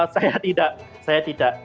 saya tidak saya tidak